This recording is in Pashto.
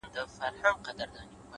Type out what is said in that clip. د تمرکز ځواک ذهن واحد هدف ته بیایي؛